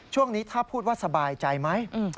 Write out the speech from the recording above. ช่วงนี้ถ้าพูดว่าสบายใจไหม